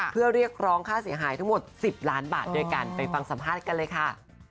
เพื่อเรียกร้องค่าเสียหายทั้งหมด๑๐ล้านบาทด้วยกันไปฟังสัมภาษณ์กันเลยค่ะ